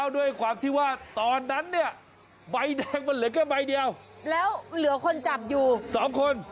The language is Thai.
ด้วยความที่ว่าตอนนั้นเนี่ยใบแดงมันเหลือแค่ใบเดียวแล้วเหลือคนจับอยู่๒คน